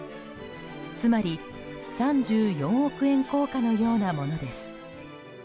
つまり３４億円硬貨のようなものです。